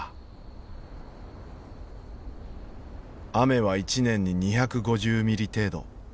雨は一年に２５０ミリ程度。